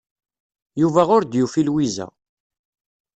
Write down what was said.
Yuba ur d-yufi Lwiza.